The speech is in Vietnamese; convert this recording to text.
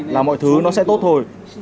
là mọi thứ nó sẽ tốt thôi